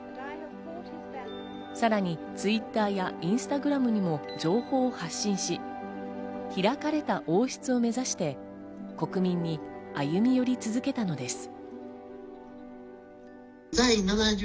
さらにＴｗｉｔｔｅｒやインスタグラムにも情報を発信し、開かれた王室を目指して国民に歩み寄り続けたのです。